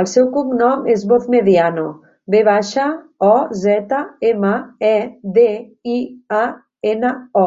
El seu cognom és Vozmediano: ve baixa, o, zeta, ema, e, de, i, a, ena, o.